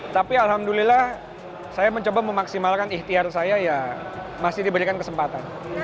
tapi alhamdulillah saya mencoba memaksimalkan ikhtiar saya ya masih diberikan kesempatan